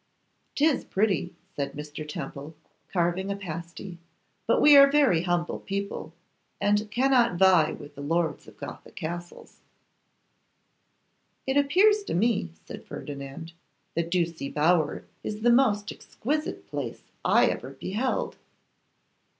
''Tis pretty,' said Mr. Temple, carving a pasty, 'but we are very humble people, and cannot vie with the lords of Gothic castles.' 'It appears to me,' said Ferdinand, 'that Ducie Bower is the most exquisite place I ever beheld.